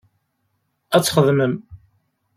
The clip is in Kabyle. Ad txedmem.